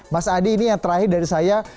mas adi ini yang terakhir dari saya